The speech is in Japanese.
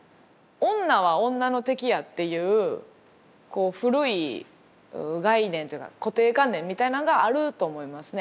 女は女の敵やっていう古い概念というか固定観念みたいなんがあると思いますね。